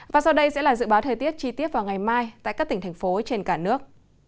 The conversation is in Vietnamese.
và sau đây sẽ là dự báo thời tiết chi tiết vào ngày mai tại các tỉnh thành phố trên cả nước